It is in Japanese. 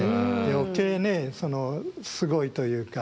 余計ねすごいというか。